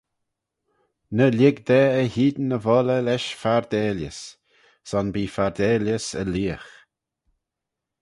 "Ny lhig da eh-hene y volley lesh fardalys; son bee fardalys e leagh."